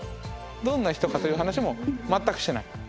どんな人かという話も全くしてない。